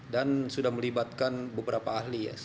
dan sudah melibatkan beberapa ahli